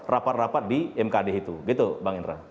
rapat rapat di mkd itu gitu bang indra